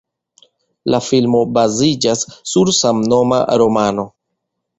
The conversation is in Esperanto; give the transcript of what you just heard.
La filmo baziĝas sur samnoma romano.